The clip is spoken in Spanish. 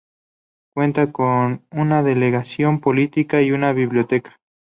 Cuenta con una delegación policial y una biblioteca.